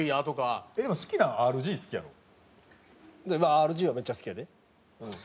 ＲＧはめっちゃ好きやで。